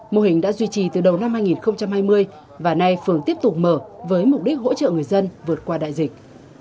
mô hình đã duy trì từ đầu năm hai nghìn hai mươi và nay phường tiếp tục mở với mục đích hỗ trợ người dân vượt qua đại dịch